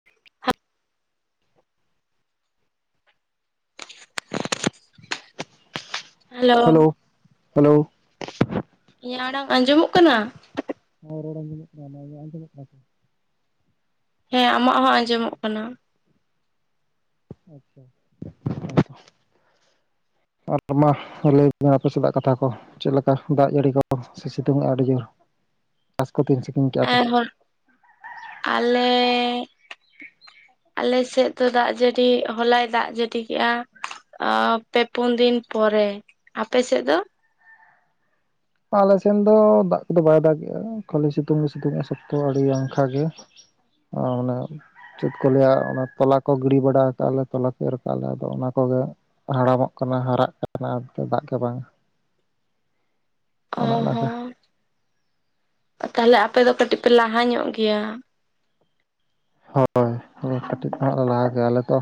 [inaudible] Hello! Hello! ᱤᱧᱟᱜ ᱟᱲᱟᱝ ᱟᱸᱡᱚᱢᱚᱜ ᱠᱟᱱᱟ? ᱦᱚᱸ ᱨᱚᱲ ᱟᱸᱡᱚᱢᱚᱜ ᱠᱟᱱᱟ ᱵᱷᱟᱜᱮ ᱟᱸᱡᱚᱢᱚᱜ ᱠᱟᱱᱟ ᱛᱚ᱾ ᱦᱮᱸ ᱟᱢᱟᱜ ᱦᱚᱸ ᱟᱸᱡᱚᱢᱚᱜ ᱠᱟᱱᱟ᱾ ᱟᱪᱪᱷᱟ ᱦᱚᱭ ᱫᱚ᱾ ᱟᱨ ᱛᱚ ᱢᱟ ᱞᱟᱹᱭ ᱵᱤᱱ ᱟᱯᱮ ᱥᱮᱫᱟᱜ ᱠᱟᱛᱷᱟ ᱠᱚ? ᱪᱮᱜ ᱞᱮᱠᱟ ᱫᱟᱜ ᱡᱟᱹᱲᱤ ᱠᱚ ᱥᱮ ᱥᱤᱛᱩᱝᱮᱜ-ᱟ ᱟᱰᱤ ᱡᱳᱨ ᱪᱟᱥ ᱠᱚ ᱛᱤᱱ ᱥᱤᱛᱤᱝ ᱠᱮᱜ-ᱟ ᱯᱮ? ᱟᱞᱮᱻᱼᱼ ᱟᱞᱮ ᱥᱮᱜ ᱫᱚ ᱫᱟᱜ ᱡᱟᱹᱨᱤ ᱦᱚᱞᱟᱭ ᱫᱟᱜ ᱡᱟᱹᱰᱤ ᱠᱮᱜ-ᱟ᱾ ᱟᱻ ᱯᱮ ᱯᱩᱱ ᱫᱤᱱ ᱯᱚᱨᱮ, ᱟᱯᱮ ᱥᱮᱜ ᱫᱚ? ᱟᱞᱮ ᱥᱮᱱ ᱫᱚ ᱫᱟᱜ ᱠᱚᱫᱚ ᱵᱟᱭ ᱫᱟᱜᱮᱜ-ᱟ ᱠᱷᱟᱹᱞᱤ ᱥᱤᱛᱩᱝ ᱜᱮ ᱥᱤᱛᱩᱝᱮᱜ-ᱟ ᱥᱚᱠᱛᱚ ᱟᱹᱲᱤ ᱟᱝᱠᱷᱟ ᱜᱮ᱾ ᱟᱨ ᱚᱱᱟᱼᱼ ᱪᱮᱫ ᱠᱚ ᱞᱟᱹᱭᱟ ᱚᱱᱟ ᱛᱚᱞᱟ ᱠᱚ ᱜᱤᱰᱤ ᱵᱟᱲᱟ ᱠᱟᱜ ᱞᱮ ᱛᱚᱞᱟ ᱠᱚ ᱮᱨ ᱠᱟᱜ ᱞᱮ ᱟᱫᱚ ᱚᱱᱟ ᱠᱚᱜᱮᱼᱼ ᱦᱟᱲᱟᱢᱚᱜ ᱠᱟᱱᱟ ᱦᱟᱨᱟᱜ ᱠᱟᱱᱟ ᱟᱨ ᱫᱟᱜ ᱜᱮ ᱵᱟᱝ᱾ ᱚ ᱚᱱᱟ ᱚᱱᱟ ᱜᱮ᱾ ᱛᱟᱦᱚᱞᱮ ᱟᱯᱮ ᱫᱚ ᱠᱟᱹᱴᱤᱡ ᱯᱮ ᱞᱟᱦᱟ ᱧᱚᱜ ᱜᱮᱭᱟ᱾ ᱦᱚᱭ ‌ [inaudible] ᱠᱟᱹᱴᱤᱡ ᱫᱚ ᱦᱟᱸᱜ ᱞᱮ ᱞᱟᱦᱟ ᱜᱮ ᱟᱞᱮ ᱫᱚ᱾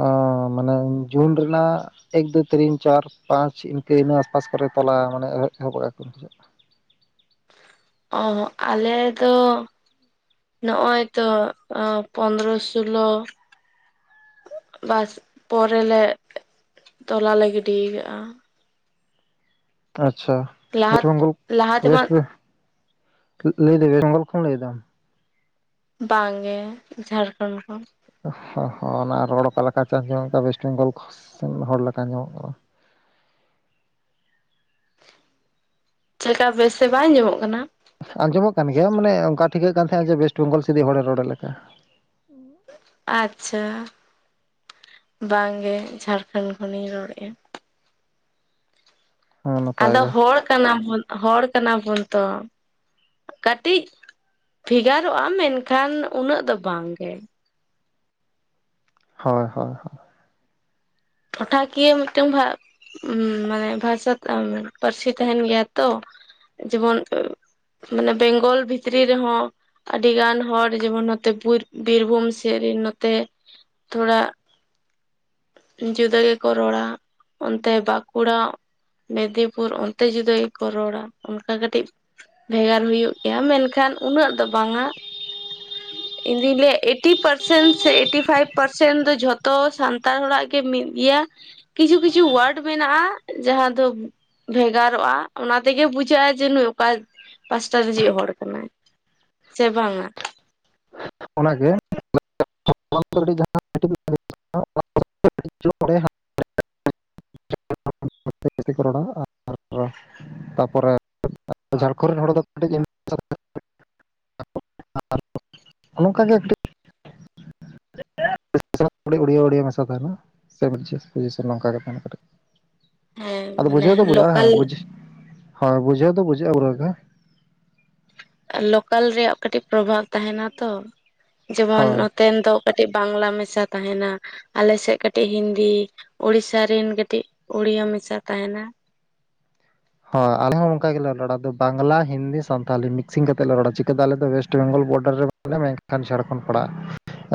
ᱚᱻ ᱢᱟᱱᱮ ᱡᱩᱱ ᱨᱮᱱᱟᱜᱼᱼ ᱮᱠ ᱫᱩ ᱛᱤᱨᱤᱱ ᱪᱟᱨ ᱯᱟᱸᱪ ᱤᱱᱠᱟᱹ ᱤᱱᱟᱹ ᱟᱥ ᱯᱟᱥ ᱠᱚᱨᱮ ᱛᱚᱞᱟ ᱢᱟᱱᱮ ᱮᱦᱚ ᱮᱦᱚᱵᱚᱜ-ᱟ ᱠᱚ ᱥᱮ ᱪᱮᱜ᱾ ᱚᱸᱦᱚᱸᱜ ᱟᱞᱮ ᱫᱚᱼᱼ ᱱᱚᱜ-ᱚᱭ ᱛᱚ ᱚᱸ ᱯᱚᱱᱫᱽᱨᱚ ᱥᱳᱞᱳᱼᱼ ᱵᱟᱥ ᱯᱚᱨᱮ ᱞᱮ ᱮᱜ ᱛᱚᱞᱟ ᱞᱮ ᱜᱤᱰᱤᱭ ᱠᱟᱜ-ᱟ᱾ ᱛᱚ ᱟᱪᱪᱷᱟ ᱞᱟᱦᱟ ᱢᱤᱜᱴᱷᱮᱜ ᱵᱟᱝ ᱜᱚᱞ ᱞᱟᱦᱟ ᱛᱮᱢᱟ ᱣᱮᱥᱴ ᱵᱮ᱾ [inaudible] ᱞᱟᱹᱭ ᱫᱟᱢ ᱵᱮᱝᱜᱚᱞ ᱠᱷᱚᱱ ᱞᱟᱹᱭ ᱫᱟᱢ᱾ ᱵᱟᱝ ᱜᱮ ᱡᱷᱟᱨᱠᱚᱸᱰ ᱠᱷᱚᱱ᱾ ᱦᱚ ᱦᱚ ᱚᱱᱟ ᱨᱚᱲ ᱚᱠᱟ ᱞᱮᱠᱟ ᱪᱚ ᱟᱸᱡᱚᱢᱚᱜ ᱠᱟ ᱣᱮᱥᱴ ᱵᱮᱝᱜᱚᱞ ᱠᱷᱚᱥ ᱚᱱᱟ ᱦᱚᱲ ᱞᱮᱠᱟ ᱟᱸᱡᱚᱢᱚᱜ ᱠᱟᱱᱟ᱾ ᱪᱮᱠᱟ ᱵᱮᱥ ᱛᱮ ᱵᱟᱭ ᱟᱧᱟᱢᱚᱜ ᱠᱟᱱᱟ᱾ ᱟᱸᱡᱚᱢᱚᱜ ᱠᱟᱱ ᱜᱮᱭᱟ ᱢᱟᱱᱮ ᱚᱱᱠᱟ ᱴᱷᱤᱠᱟᱹᱜ ᱠᱟᱱ ᱛᱟᱦᱮᱸᱜ ᱡᱮ ᱣᱮᱥᱴ ᱵᱮᱝᱜᱚᱞ ᱥᱤᱫᱤᱜ ᱦᱚᱲᱮ ᱨᱚᱲ ᱞᱮᱠᱟ᱾ ᱟᱪᱪᱷᱟ ᱵᱟᱝ ᱜᱮ ᱡᱷᱟᱨᱠᱚᱸᱰ ᱠᱷᱚᱱᱤᱧ ᱨᱚᱲᱮᱜ-ᱟ᱾ ᱦᱮᱸ ᱱᱟᱯᱟᱭ ᱟᱫᱚ ᱜᱮ ᱦᱚᱲ ᱠᱟᱱᱟ ᱵᱚᱱ ᱦᱚᱲ ᱠᱟᱱᱟ ᱵᱚᱱ ᱛᱚ᱾ ᱠᱟᱹᱴᱤᱡ ᱵᱷᱮᱜᱟᱨᱚᱜ-ᱟ ᱢᱮᱱᱠᱷᱟᱱ ᱩᱱᱟᱹᱜ ᱫᱚ ᱵᱟᱝ ᱜᱮ᱾ ᱦᱚᱭ ᱦᱚᱭ ᱦᱚᱭ᱾ ᱴᱚᱴᱷᱟ ᱠᱤᱭᱟᱹ ᱢᱤᱫᱴᱟᱝ ᱵᱷᱟᱜᱼᱼ ᱩᱢᱻ ᱢᱟᱱᱮ ᱵᱷᱟᱥᱟ ᱛᱮ ‌ᱚ ᱢᱟᱱᱮ ᱯᱟᱹᱨᱥᱤ ᱛᱮᱦᱮᱸᱱ ᱜᱮᱭᱟ ᱛᱚ ᱡᱮᱢᱚᱱ ᱩᱼᱼ ᱢᱟᱱᱮ ᱵᱮᱝᱜᱚᱞ ᱵᱷᱤᱛᱨᱤ ᱨᱮᱦᱚᱸᱼᱼ ᱟᱹᱰᱤ ᱜᱟᱱ ᱦᱚᱲ ᱡᱮᱢᱚᱱ ᱱᱚᱛᱮ ᱵᱩᱨ ᱵᱤᱨᱵᱷᱩᱢ ᱥᱮᱫ ᱨᱮᱱ ᱱᱚᱛᱮ ᱛᱷᱚᱲᱟᱼᱼ ᱡᱩᱫᱟᱹ ᱜᱮᱠᱚ ᱨᱚᱲᱟ ᱚᱱᱛᱮ ᱵᱟᱸᱠᱩᱲᱟᱼᱼ ᱢᱮᱫᱤᱯᱩᱨ ᱚᱱᱛᱮ ᱡᱩᱫᱤ ᱠᱚ ᱨᱚᱲᱟ ᱚᱱᱠᱟ ᱠᱟᱹᱴᱤᱡᱼᱼ ᱵᱷᱮᱜᱟᱨ ᱦᱩᱭᱩᱜ ᱜᱮᱭᱟ ᱢᱮᱱᱠᱷᱟᱱ ᱩᱱᱟᱹᱜ ᱫᱚ ᱵᱟᱝᱟ᱾ ᱤᱧ ᱫᱩᱧ ᱞᱟᱹᱭᱮᱜ ᱮᱭᱴᱤ ᱯᱟᱨᱥᱮᱱ ᱥᱮ ᱮᱭᱴᱤ ᱯᱷᱟᱭᱤᱵᱽ ᱯᱟᱨᱥᱮᱱ ᱫᱚ ᱡᱷᱚᱛᱚ ᱥᱟᱱᱛᱟᱲ ᱦᱚᱲᱟᱜᱼᱼ ᱠᱮ ᱢᱤᱫ ᱜᱮᱭᱟ ᱠᱤᱪᱷᱩ ᱠᱤᱪᱷᱩ ᱚᱣᱨᱰ ᱢᱮᱱᱟᱜ-ᱟ ᱡᱟᱦᱟᱸ ᱫᱚ ᱵᱷᱮᱜᱟᱨᱚᱜ-ᱟ ᱚᱱᱟ ᱛᱮᱜᱮ ᱵᱩᱡᱷᱟᱹᱜ-ᱟᱭ ᱡᱮ ᱱᱩᱭ ᱚᱠᱟ ᱯᱟᱥᱴᱟ ᱨᱮᱱᱤᱡ ᱦᱚᱲ ᱠᱟᱱᱟᱭ? ᱥᱮ ᱵᱟᱝᱟ᱾ ᱚᱱᱟᱜᱮ [unintelligible] ᱠᱟᱹᱴᱤᱡ‌ ᱪᱚᱲᱮ ‌ᱦᱟᱸᱜ [unintelligible] ᱚᱱᱟᱛᱮ ᱠᱚ ᱡᱟᱹᱥᱛᱤ ᱨᱚᱲᱟ ᱟᱨᱚ ᱛᱟᱨᱯᱚᱨᱮ [unintelligible] ᱟᱨ ᱡᱷᱟᱲᱠᱷᱚᱸᱰ ᱨᱮᱱ ᱦᱚᱲ ᱫᱚ ᱠᱟᱹᱴᱤᱡ [unintelligible] ᱦᱚᱸᱜ-ᱚ ᱱᱚᱝᱠᱟ ᱜᱮ ᱠᱟᱹᱴᱤᱡ [unintelligible] ᱪᱷᱟᱲᱟ ᱩᱲᱭᱟᱹ ᱩᱲᱭᱟᱹ ᱢᱮᱥᱟ ᱛᱟᱸᱦᱮᱱᱟ ᱥᱮ ᱮᱠᱡᱟᱥᱴ ᱡᱮᱥᱮ ᱱᱚᱝᱠᱟ ᱜᱮ ᱛᱟᱸᱦᱮᱱᱟ ᱠᱟᱹᱴᱤᱡ᱾ ᱦᱮᱸ ᱟᱫᱚ ᱢᱟᱱᱮ ᱵᱩᱡᱷᱟᱹᱣ ᱫᱚ ᱵᱩᱡᱷᱟᱜ-ᱟ, ᱦᱚᱸ ᱞᱳᱠᱟᱞ ᱵᱩᱡᱽ ᱦᱚᱸ ᱵᱩᱡᱷᱟᱹᱣ ᱫᱚ ᱵᱩᱡᱷᱟᱹᱜ-ᱟ ᱵᱚᱨᱜᱟ᱾ ᱮ ᱞᱳᱠᱟᱞ ᱨᱮᱭᱟᱜ ᱠᱟᱹᱴᱤᱡ ᱯᱨᱚᱵᱷᱟᱵᱽ ᱛᱟᱸᱦᱮᱱᱟ ᱛᱚ ᱡᱮᱢᱚᱱ ᱦᱳᱭ ᱱᱚᱛ ᱛᱮᱱ ᱫᱚ ᱠᱟᱹᱴᱤᱡ ᱵᱟᱝᱞᱟ ᱢᱮᱥᱟ ᱛᱟᱸᱦᱮᱱᱟ᱾ ᱟᱞᱮ ᱥᱮᱫ ᱠᱟᱹᱴᱤᱡ ᱦᱤᱱᱫᱤ, ᱩᱲᱤᱥᱥᱟ ᱨᱮᱱ ᱠᱟᱹᱴᱤᱡ ᱩᱲᱤᱭᱟ. ᱢᱮᱥᱟ ᱛᱟᱸᱦᱮᱱᱟ᱾ ᱦᱳᱭ ᱟᱞᱮ ᱦᱚᱸ ᱚᱝᱠᱟ ᱜᱮᱞᱮ ᱨᱚᱲᱟ, ᱟᱫᱚ ᱵᱟᱝᱞᱟ ᱦᱤᱱᱫᱤ ᱥᱟᱱᱛᱷᱟᱞᱤ ᱢᱤᱠᱥᱤᱝ ᱠᱟᱛᱮᱫ ᱞᱮ ᱨᱚᱲᱟ᱾ ᱪᱤᱠᱟᱹᱛᱮ ᱟᱞᱮ ᱫᱚ ᱚᱭᱮᱥᱴ ᱵᱮᱝᱜᱚᱞ ᱵᱚᱰᱟᱨ ᱨᱮ [unintelligible] ᱮ ᱢᱮᱱᱠᱷᱟᱱ ᱡᱷᱟᱲᱠᱷᱚᱸᱰ ᱯᱟᱲᱟᱜ-ᱟ᱾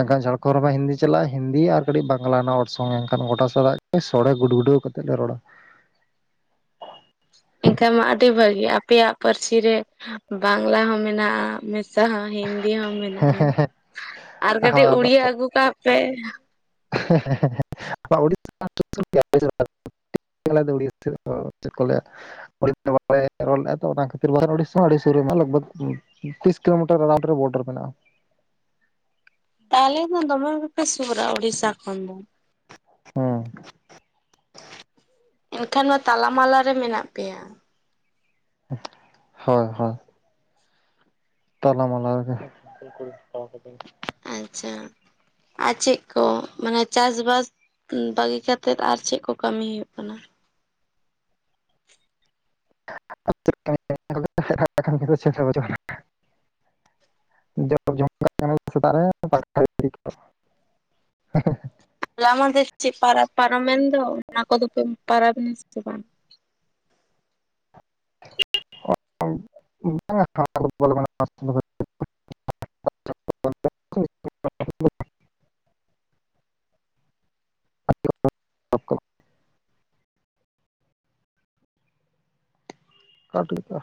ᱮᱱᱠᱷᱟᱱ ᱡᱷᱟᱲᱠᱷᱚᱸᱰ ᱨᱮᱢᱟ ᱦᱤᱱᱫᱤ ᱪᱟᱞᱟᱜ-ᱟ ᱦᱤᱱᱫᱤ ᱟᱨ ᱠᱟᱹᱴᱤᱡ ᱵᱟᱝᱞᱟ ᱱᱚ ᱚᱨᱥᱚᱝ ᱮᱱᱠᱷᱟᱱ ᱜᱚᱴᱟ ᱥᱟᱞᱟᱜ ᱥᱚᱲᱮ ᱜᱩᱰ-ᱜᱩᱰᱟᱹᱣ ᱠᱟᱛᱮᱫ ᱞᱮ ᱨᱚᱲᱟ᱾ ᱮᱝᱠᱷᱟᱡ ᱢᱟ ᱟᱹᱰᱤ ᱵᱷᱟᱹᱜᱤ, ᱟᱯᱮᱭᱟᱜ ᱯᱟᱹᱨᱥᱤ ᱨᱮ ᱵᱟᱝᱞᱟ ᱦᱚᱸ ᱢᱮᱱᱟᱜ-ᱟ ᱢᱮᱥᱟ ᱦᱚᱸ ᱦᱤᱱᱫᱤ ᱫᱤ ᱦᱚᱸ ᱢᱮᱱᱟᱜ-ᱟ ᱟᱨ ᱠᱟᱹᱴᱤᱡ ᱩᱲᱤᱭᱟᱹ ᱟᱹᱜᱩ ᱠᱟᱜ ᱯᱮ᱾ ᱟᱫᱚ ᱩᱲᱤᱥᱥᱟ ᱦᱚᱸ ᱥᱩᱨ ᱥᱩᱨ ᱵᱟᱨᱭᱟ ᱟᱯᱮ ᱥᱮᱫ ᱫᱚ? ᱟᱞᱮ ᱫᱚ ᱩᱲᱤᱥᱥᱟ ᱫᱚ ᱪᱮᱫ ᱠᱚ ᱞᱟᱹᱭᱟ᱾ [unintelligible] ᱵᱟᱭ ᱨᱚᱲ ᱞᱮᱜ-ᱟ ᱛᱚ ᱚᱱᱟ ᱠᱷᱟᱹᱛᱤᱨ, ᱵᱟᱝᱠᱷᱟᱱ ᱩᱲᱤᱥᱥᱟ ᱦᱚᱸ ᱟᱰᱤ ᱥᱩᱨ ᱨᱮ ᱢᱟ ᱞᱟᱜᱽᱵᱷᱟᱜᱽ ᱛᱤᱥ ᱠᱤᱞᱳᱢᱤᱴᱟᱨ ᱮᱨᱟᱣᱱᱴ ᱨᱮ ᱵᱚᱰᱟᱨ ᱢᱮᱱᱟᱜ-ᱟ᱾ ᱛᱟᱦᱞᱮ ᱫᱚ ᱫᱚᱢᱮ ᱜᱮᱯᱮ ᱥᱩᱨᱟ ᱩᱲᱤᱥᱥᱟ ᱠᱷᱚᱱ ᱫᱚ᱾ ᱦᱩᱸ ᱮᱱᱠᱷᱟᱱ ᱢᱟ ᱛᱟᱞᱟᱢᱟᱞᱟ ᱨᱮ ᱢᱮᱱᱟᱜ ᱯᱮᱭᱟ᱾ ᱦᱳᱭ ᱦᱳᱭ᱾ ᱛᱟᱞᱟᱢᱟᱞᱟ ᱨᱮᱜᱮ᱾ ᱟᱪᱪᱷᱟ, ᱟᱨ ᱪᱮᱫ ᱠᱚ ᱢᱟᱱᱮ ᱪᱟᱥ ᱵᱟᱥ ᱵᱟᱹᱜᱤ ᱠᱟᱛᱮᱫ ᱟᱨ ᱪᱮᱫ ᱠᱚ ᱠᱟᱹᱢᱤ ᱦᱩᱭᱩᱜ ᱠᱟᱱᱟ? ᱟᱨ ᱪᱮᱫ ᱠᱟᱹᱢᱤ ᱚᱲᱟᱜ ᱨᱮᱫᱚ ᱮᱠᱷᱚᱱ ᱠᱟᱹᱢᱤ ᱠᱚᱫᱚ ᱪᱮᱫ ᱜᱮ ᱦᱟᱸ ᱱᱟ᱾ ᱡᱟᱜᱮ ᱡᱚᱢ ᱠᱟᱜ ᱠᱟᱱᱟ ᱞᱮ ᱥᱮᱛᱟᱜ ᱨᱮ [unintelligible] ᱦᱚᱞᱟ ᱢᱟᱫᱷᱮᱨ ᱪᱮᱫ ᱯᱟᱨᱟᱵᱽ ᱯᱟᱨᱚᱢᱮᱱ ᱫᱚ ᱚᱱᱟ ᱠᱚᱫᱚ ᱯᱮ ᱯᱟᱨᱟᱵᱽᱱᱟ ᱥᱮ ᱵᱟᱝ? [unintelligible] [unintelligible] ᱠᱟᱴ [unintelligible]